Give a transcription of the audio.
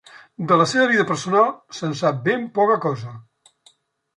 De la seva vida personal, se'n sap ben poca cosa.